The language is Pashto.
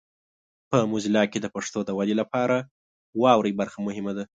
په موزیلا کې د پښتو د ودې لپاره واورئ برخه مهمه ده.